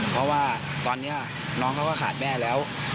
เพราะว่าตอนนี้น้องเขาก็ขาดแม่แล้ว